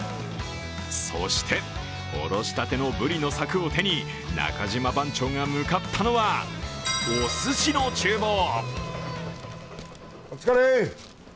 そして、おろしたてのブリの柵を手に中島番長が向かったのはおすしのちゅう房。